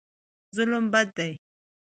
ظلم بد دی.